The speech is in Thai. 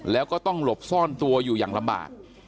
แล้วก็ต้องหลบซ่อนตัวอยู่อย่างลำบาก